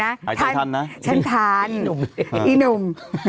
หายใจทันนะฉันทานอีหนุ่ม